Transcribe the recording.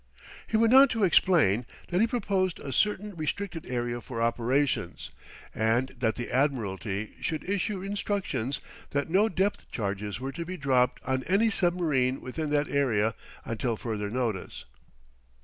He went on to explain that he proposed a certain restricted area for operations, and that the Admiralty should issue instructions that no depth charges were to be dropped on any submarine within that area until further notice.